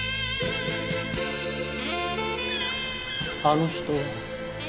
あの人は。